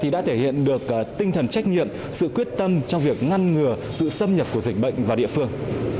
đã thể hiện được tinh thần trách nhiệm sự quyết tâm trong việc ngăn ngừa sự xâm nhập của dịch bệnh vào địa phương